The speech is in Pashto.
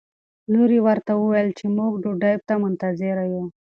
لور یې ورته وویل چې موږ ډوډۍ ته منتظره یو.